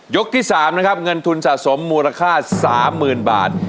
ที่๓นะครับเงินทุนสะสมมูลค่า๓๐๐๐บาท